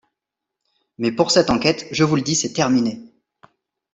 Mais pour cette enquête, je vous le dis, c'est terminé.